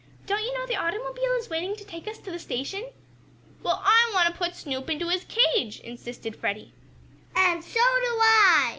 Don't you know the automobile is waiting to take us to the station?" "Well, I want to put Snoop in his cage!" insisted Freddie. "And so do I!"